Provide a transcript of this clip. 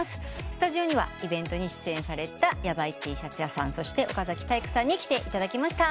スタジオにはイベントに出演されたヤバイＴシャツ屋さんそして岡崎体育さんに来ていただきました。